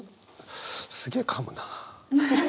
すげえかむな。